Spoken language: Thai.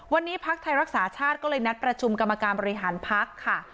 วันนี้พักไทยรักษาชาติก็เลยนัดประชุมกรรมการบริหารพักค่ะ